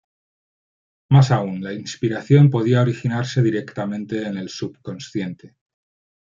Más aún, la inspiración podía originarse directamente en el subconsciente.